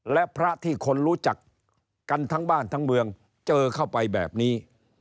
และพระที่คนรู้จักกันทั้งบ้านทั้งเมืองเจอเข้าไปแบบนี้